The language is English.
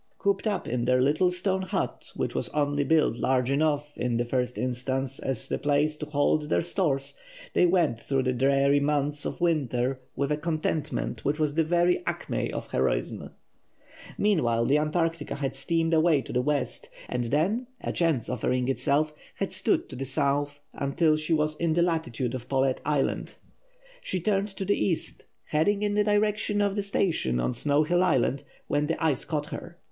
Cooped up in their little stone hut, which was only built large enough, in the first instance, as a place to hold their stores, they went through the dreary months of winter with a contentment which was the very acme of heroism. Meanwhile the Antarctica had steamed away to the west, and then, a chance offering itself, had stood to the south until she was in the latitude of Paulet Island. She turned to the east, heading in the direction of the station on Snow Hill Island, when the ice caught her.